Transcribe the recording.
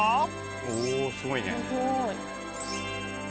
おおすごいね。